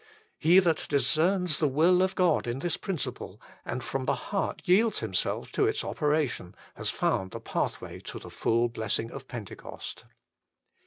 He that discerns the will of God in this principle and from the heart yields himself to its operation has found the pathway to the full blessing of Pentecost.